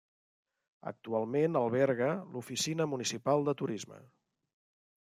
Actualment alberga l'oficina municipal de turisme.